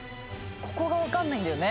ここが分かんないんだよね。